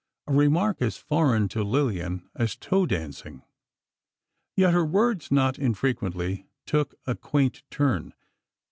A remark as foreign to Lillian as toe dancing. Yet her words not infrequently took a quaint turn.